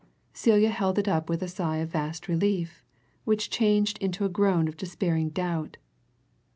Celia held it up with a sigh of vast relief, which changed into a groan of despairing doubt.